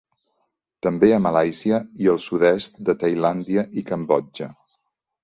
També a Malàisia i al sud-est de Tailàndia i Cambodja.